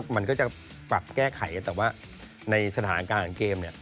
มันก็จะปรับแก้ไขแต่ว่าในสถานการณ์เกม